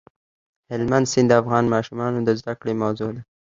هلمند سیند د افغان ماشومانو د زده کړې موضوع ده.